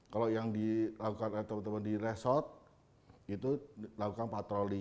kalau yang dilakukan oleh teman teman di resort itu lakukan patroli